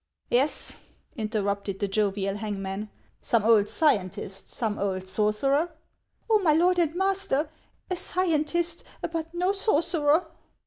" Yes," interrupted the jovial hangman, " some old scien tist, some old sorcerer." " Oh, my lord and master, a scientist, but no sorcerer